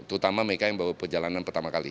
terutama mereka yang baru perjalanan pertama kali